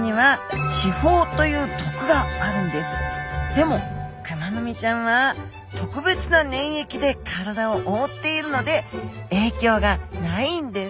でもクマノミちゃんは特別な粘液で体を覆っているので影響がないんです。